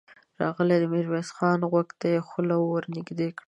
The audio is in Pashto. راغی، د ميرويس خان غوږ ته يې خوله ور نږدې کړه.